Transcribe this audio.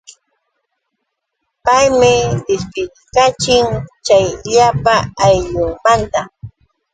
Paymi dispidikachin chay llapa ayllunmanta.